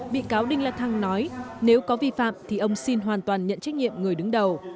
bị cáo đinh la thăng nói nếu có vi phạm thì ông xin hoàn toàn nhận trách nhiệm người đứng đầu